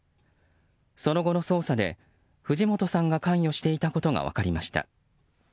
その後の捜査で藤本さんが関与していたことが分かりました。